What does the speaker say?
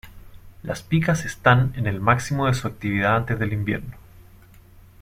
Las picas están en el máximo de su actividad antes del invierno.